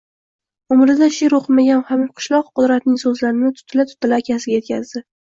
Umrida she’r o‘qimagan hamqishloq Qudratning so‘zlarini tutila-tutila akasiga yetkazdi: